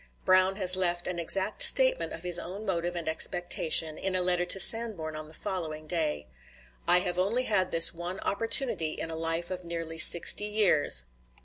Brown has left an exact statement of his own motive and expectation, in a letter to Sanborn on the following day. "I have only had this one opportunity in a life of nearly sixty years